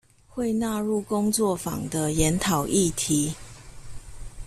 會納入工作坊的研討議題